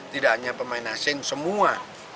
tidak hanya pemain asing semua